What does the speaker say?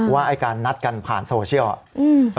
ว่าไอ้การนัดกันผ่านโซเชียล